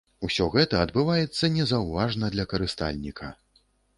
Усё гэта адбываецца незаўважна для карыстальніка.